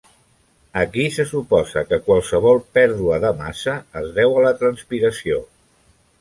Aquí se suposa que qualsevol pèrdua de massa es deu a la transpiració.